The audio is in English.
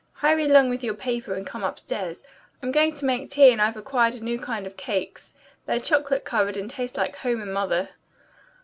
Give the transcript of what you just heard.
Hurry along with your paper and come upstairs. I'm going to make tea, and I've acquired a new kind of cakes. They're chocolate covered and taste like home and mother."